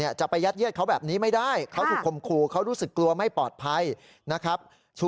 จะไปยัดเยียดเขาแบบนี้ไม่ได้เขาถูกคมคู่เขารู้สึกกลัวไม่ปลอดภัยนะครับ